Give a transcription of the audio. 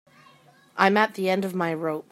I'm at the end of my rope.